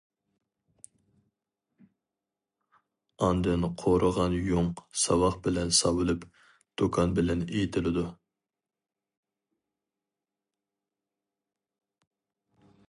ئاندىن قۇرۇغان يۇڭ ساۋاق بىلەن ساۋىلىپ، دۇكان بىلەن ئېتىلىدۇ.